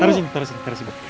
taruh sini taruh sini